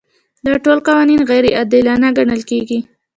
دا ټول قوانین غیر عادلانه ګڼل کیږي.